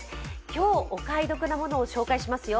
今日もお買い得なものを紹介しますよ。